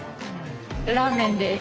ラーメンです。